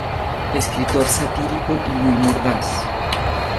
Escritor satírico y muy mordaz.